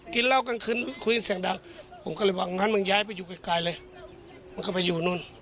กินเหล้ากลางคืนคุยเสียงดังผมก็เลยว่างั้นมึงย้ายไปอยู่ไกลเลยมึงก็ไปอยู่นู่น